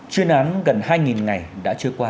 chuyên án gần hai ngày đã trôi qua